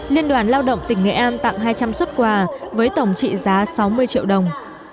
liên đoàn lao động tỉnh nghệ an tặng hai trăm linh xuất quà với tổng trị giá sáu mươi triệu đồng